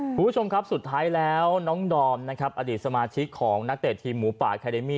คุณผู้ชมครับสุดท้ายแล้วน้องดอมนะครับอดีตสมาชิกของนักเตะทีมหมูป่าคาเดมี่